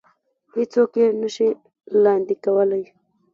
هېڅ څوک يې نه شي لاندې کولی.